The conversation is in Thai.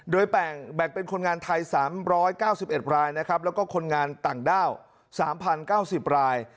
โดยแปลงแบ่งเป็นคนงานไทยสามร้อยเก้าสิบเอ็ดรายนะครับแล้วก็คนงานต่างด้าวสามพันเก้าสิบราย